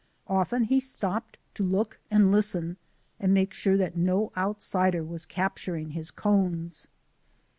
Often he stopped to look and listen and make sure that no outsider was capturing his cones.